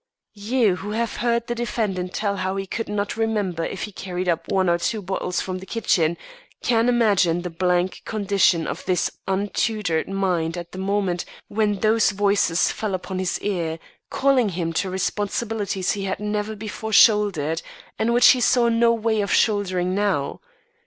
"You who have heard the defendant tell how he could not remember if he carried up one or two bottles from the kitchen, can imagine the blank condition of this untutored mind at the moment when those voices fell upon his ear, calling him to responsibilities he had never before shouldered, and which he saw no way of shouldering now.